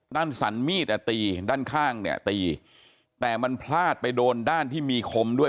สันมีดอ่ะตีด้านข้างเนี่ยตีแต่มันพลาดไปโดนด้านที่มีคมด้วย